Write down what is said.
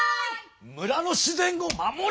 村の自然を守れ！